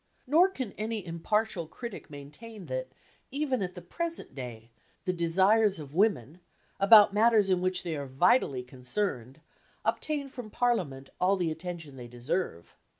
… Nor can any impartial critic maintain that, even at the present day, the desires of women, about matters in which they are vitally concerned, obtain from Parliament all the attention they deserve.